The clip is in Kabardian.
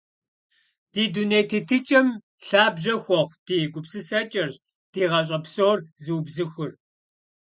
Ди дуней тетыкӀэм лъабжьэ хуэхъу ди гупсысэкӀэрщ ди гъащӀэ псор зыубзыхур.